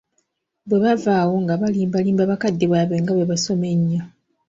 Bwe bava awo nga balimbalimba bakadde baabwe nga bwe basoma ennyo.